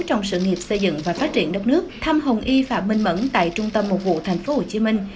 trong sự nghiệp xây dựng và phát triển đất nước thăm hồng y phạm minh mẫn tại trung tâm một vụ thành phố hồ chí minh